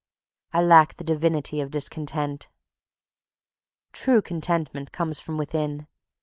I lack the divinity of discontent. True Contentment comes from within.